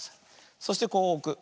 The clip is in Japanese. そしてこうおく。